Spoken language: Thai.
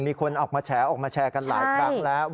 มีคนออกมาแฉออกมาแชร์กันหลายครั้งแล้ว